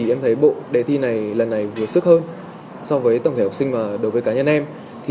em thấy bộ đề thi này lần này hồi sức hơn so với tổng thể học sinh và đối với cá nhân em